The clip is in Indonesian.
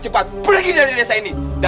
pergi dari sini